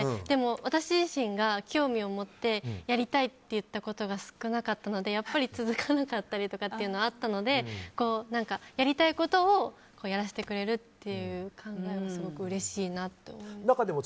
でも私自身が興味を持ってやりたいって言ったことが少なかったのでやっぱり続かなかったりとかはあったのでやりたいことをやらせてくれるという考えはすごくうれしいなと思います。